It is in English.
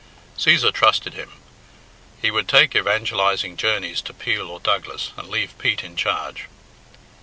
Cæsar trusted him. He would take evangelising journeys to Peel or Douglas and leave Pete in charge.